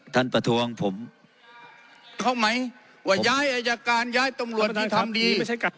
ท่านประธวงผมเข้าไหมว่าย้ายอาจารย์การย้ายตำลวนที่ทำดี